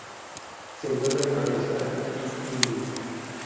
Se encuentra en Pakistán y India.